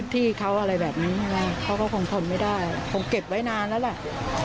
ต้องเก็บไว้นานแล้วแหละ